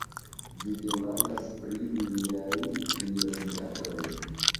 Vi demandas pri miaj prioritatoj.